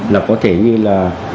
là có thể như là